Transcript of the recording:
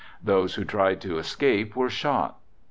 Those who tried to escape were shot.